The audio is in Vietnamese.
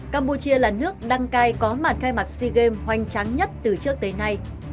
campuchia là nước đăng cai có mặt khai mạc sea games hoành tráng nhất từ trước tới nay